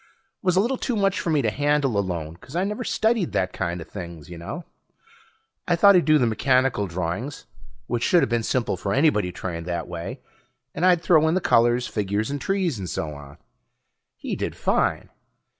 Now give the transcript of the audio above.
Was a little too much for me to handle alone, 'cause I never studied that kinda things, ya know. I thought he'd do the mechanical drawings, which shoulda been simple for anybody trained that way, and I'd throw in the colors, figures and trees and so on. He did fine.